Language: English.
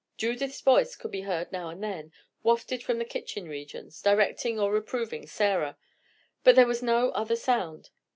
Judith's voice would be heard now and then, wafted from the kitchen regions, directing or reproving Sarah; but there was no other sound.